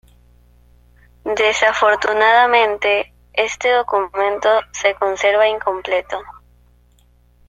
Desafortunadamente, este documento se conserva incompleto.